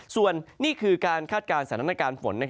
ส่วนนี่คือการคาดการณ์สถานการณ์ฝน